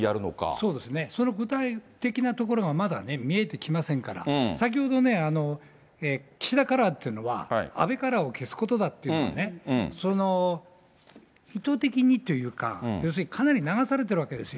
そうですね、その具体的なところがまだね、見えてきませんから、先ほどね、岸田カラーっていうのは、安倍カラーを消すことだっていうね、意図的にというか、要するにかなり流されてるわけですよ。